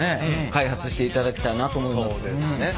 開発していただきたいなと思います。